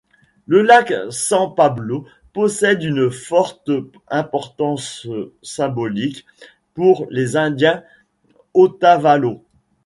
Le lac San Pablo possède une forte importance symbolique pour les indiens Otavalos.